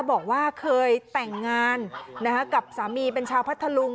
บอกว่าเคยแต่งงานกับสามีเป็นชาวพัทธลุง